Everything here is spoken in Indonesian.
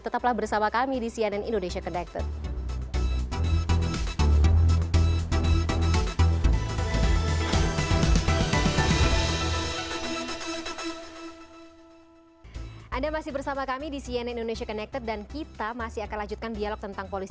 tetap bersama kami di cnn indonesia kedatang